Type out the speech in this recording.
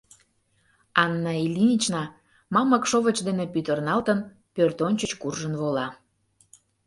Анна Ильинична, мамык шовыч дене пӱтырналтын, пӧртӧнчыч куржын вола.